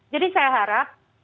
jadi saya harap